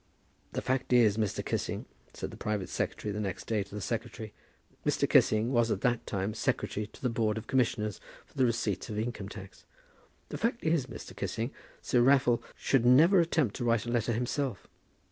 "The fact is, Mr. Kissing," said the private secretary the next day to the secretary, Mr. Kissing was at that time secretary to the board of commissioners for the receipt of income tax "The fact is, Mr. Kissing, Sir Raffle should never attempt to write a letter himself.